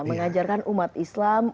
mengajarkan umat islam